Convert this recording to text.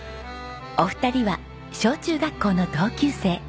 お二人は小中学校の同級生。